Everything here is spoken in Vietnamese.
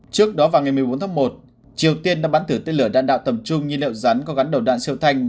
trước đó vào ngày một mươi bốn tháng một triều tiên đã bắn thử tên lửa đạn đạo tầm trung nhiên liệu rắn có gắn đầu đạn siêu thanh